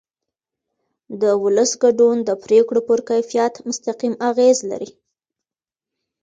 د ولس ګډون د پرېکړو پر کیفیت مستقیم اغېز لري